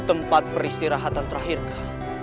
ke tempat peristirahatan terakhir kau